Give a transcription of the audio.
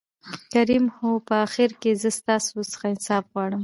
کريم : هو په آخر کې زه ستاسو څخه انصاف غواړم.